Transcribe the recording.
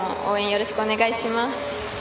よろしくお願いします。